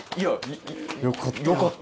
よかった。